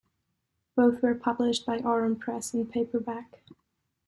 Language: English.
Both were published by Aurum Press in paperback.